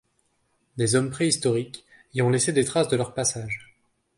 Des hommes préhistoriques y ont laissé des traces de leur passage.